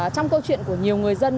trong câu chuyện của nhiều người dân